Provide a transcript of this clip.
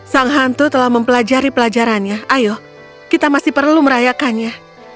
sang hantu telah mempelajari pelajarannya ayo kita masih perlu merayakannya